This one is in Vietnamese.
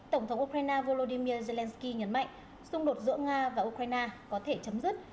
tổng thống ukraine volodymyr zelensky nhấn mạnh xung đột giữa nga và ukraine có thể chấm dứt